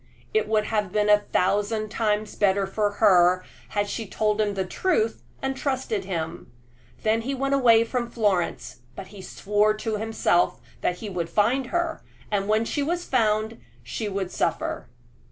It would have been a thousand times better for her had she told him the truth and trusted him. Then he went away from Florence, but he swore to himself that he would find her, and when she was found she should suffer.